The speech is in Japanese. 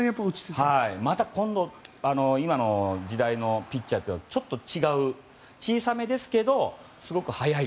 また今の時代のピッチャーとはちょっと違う、小さめですけどすごく速い。